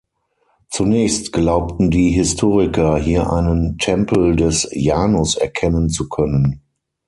Zunächst glaubten die Historiker, hier einen Tempel des Janus erkennen zu können.